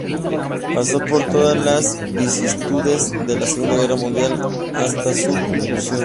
Pasó por todas las vicisitudes de la Segunda Guerra Mundial hasta su conclusión.